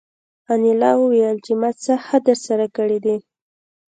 انیلا وویل چې ما څه ښه درسره کړي دي